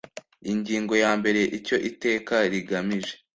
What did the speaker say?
Ingingo ya mbere Icyo Iteka rigamije